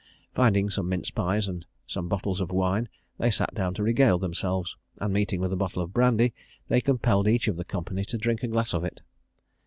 Finding some mince pies and some bottles of wine, they sat down to regale themselves; and meeting with a bottle of brandy, they compelled each of the company to drink a glass of it.